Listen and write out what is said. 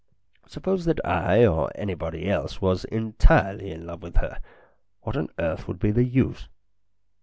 Suppose that I or anybody else was entirely in love with her, what on earth would be the use